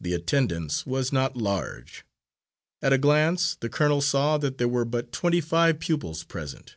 The attendance was not large; at a glance the colonel saw that there were but twenty five pupils present.